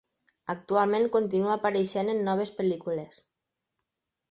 Actualment continua apareixent en noves pel·lícules.